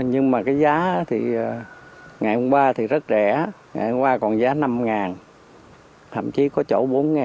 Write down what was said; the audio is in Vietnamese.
nhưng mà cái giá thì ngày hôm qua thì rất rẻ ngày hôm qua còn giá năm thậm chí có chỗ bốn